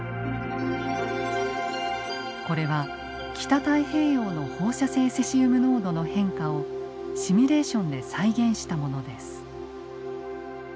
これは北太平洋の放射性セシウム濃度の変化をシミュレーションで再現したものです。